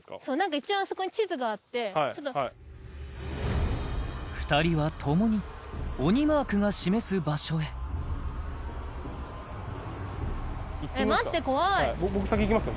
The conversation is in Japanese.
一応あそこに地図があって２人は共に鬼マークが示す場所へ行ってみますか？